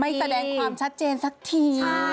ไม่แสดงความชัดเจนสักที